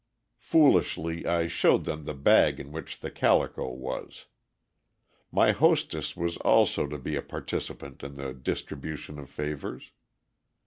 Foolishly I showed them the bag in which the calico was. My hostess was also to be a participant in the distribution of favors.